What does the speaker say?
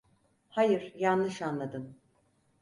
Hayır, yanlış anladın.